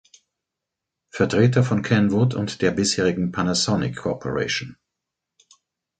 Vertreter von Kenwood und der bisherigen "Panasonic Corp.